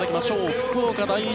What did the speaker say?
福岡第一。